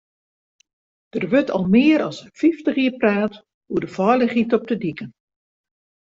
Der wurdt al mear as fyftich jier praat oer de feilichheid op de diken.